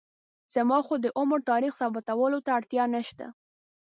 زما خو د عمر تاریخ ثابتولو ته اړتیا نشته.